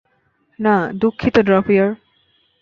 না, দুঃখিত ড্রপিয়র।